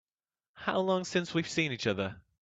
How long since we've seen each other?